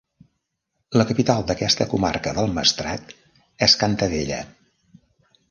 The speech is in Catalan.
La capital d'aquesta comarca del Maestrat és Cantavella.